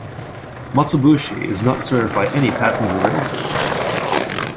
Matsubushi is not served by any passenger rail service.